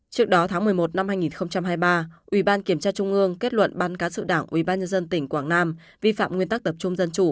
trước đó tháng một mươi một năm hai nghìn hai mươi ba ủy ban kiểm tra trung ương kết luận ban cán sự đảng ủy ban nhân dân tỉnh quảng nam vi phạm nguyên tắc tập trung dân chủ